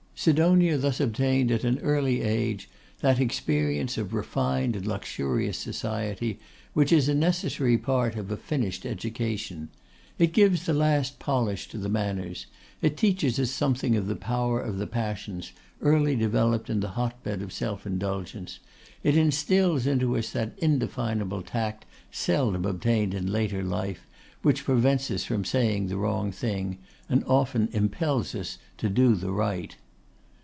Sidonia thus obtained at an early age that experience of refined and luxurious society, which is a necessary part of a finished education. It gives the last polish to the manners; it teaches us something of the power of the passions, early developed in the hot bed of self indulgence; it instils into us that indefinable tact seldom obtained in later life, which prevents us from saying the wrong thing, and often impels us to do the right.